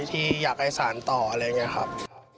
ที่อยากให้สารต่ออะไรอย่างนี้ครับ